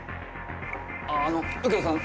ああの右京さん